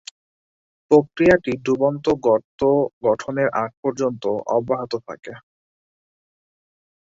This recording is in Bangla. প্রক্রিয়াটি ডুবন্ত গর্ত গঠনের আগ পর্যন্ত অব্যাহত থাকে।